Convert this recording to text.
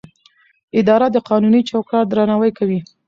اداره د قانوني چوکاټ درناوی کوي.